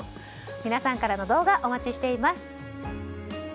皆さんからの動画お待ちしています。